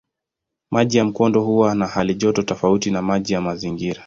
Maji ya mkondo huwa na halijoto tofauti na maji ya mazingira.